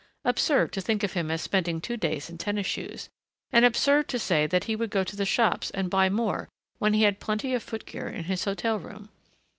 Absurd, to think of him as spending two days in tennis shoes, and absurd to say that he would go to the shops and buy more when he had plenty of footgear in his hotel room.